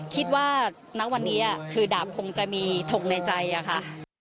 คิดว่านักวันนี้คือดาบคงจะมีทงในใจค่ะ